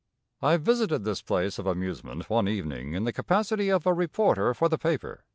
I visited this place of amusement one evening in the capacity of a reporter for the paper.